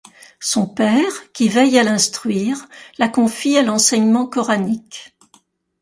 Son père, qui veille à l'instruire, la confie à l'enseignement coranique.